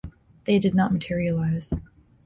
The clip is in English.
They did not materialize.